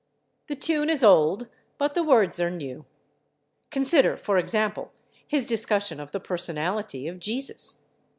The tune is old, but the words are new. Consider, for example, his discussion of the personality of Jesus.